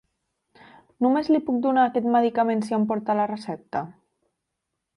Només li puc donar aquest medicament si em porta la recepta?